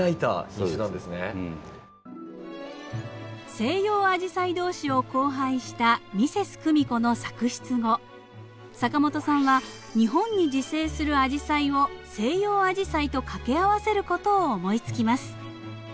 西洋アジサイ同士を交配したミセスクミコの作出後坂本さんは日本に自生するアジサイを西洋アジサイと掛け合わせる事を思いつきます。